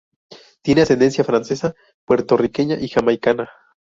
Tiene ascendencia francesa, puertorriqueña y jamaicana.